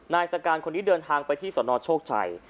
นายสการคนนี้เดินทางไปที่สนโชคชัย